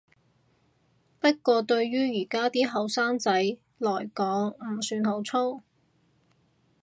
不過對於而家啲後生仔來講唔算好粗